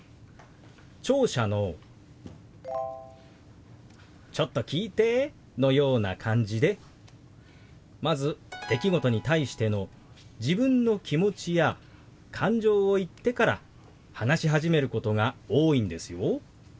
聴者の「ちょっと聞いて」のような感じでまず出来事に対しての自分の気持ちや感情を言ってから話し始めることが多いんですよ。